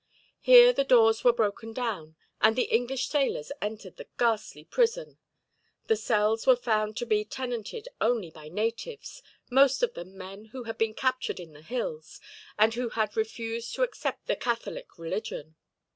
Here the doors were broken down, and the English sailors entered the ghastly prison. The cells were found to be tenanted only by natives, most of them men who had been captured in the hills, and who had refused to accept the Catholic religion.